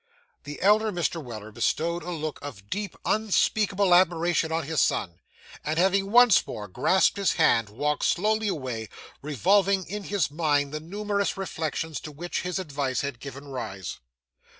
The elder Mr. Weller bestowed a look of deep, unspeakable admiration on his son, and, having once more grasped his hand, walked slowly away, revolving in his mind the numerous reflections to which his advice had given rise.